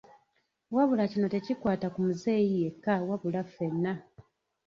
Wabula kino tekikwata ku muzeeyi yekka wabula ffena.